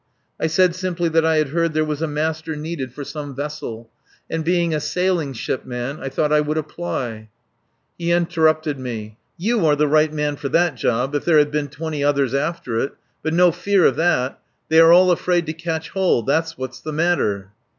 I said simply that I had heard there was a master needed for some vessel, and being a sailing ship man I thought I would apply. ... He interrupted me. "Why! Hang it! You are the right man for that job if there had been twenty others after it. But no fear of that. They are all afraid to catch hold. That's what's the matter."